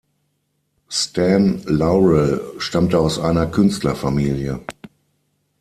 Stan Laurel stammte aus einer Künstlerfamilie.